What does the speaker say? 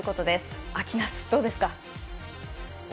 秋なす、どうですか？